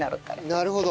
なるほど。